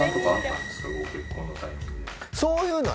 そういう。